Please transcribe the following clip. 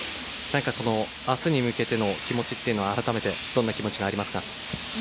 何か、明日に向けての気持ちというのはあらためてどんな気持ちがありますか？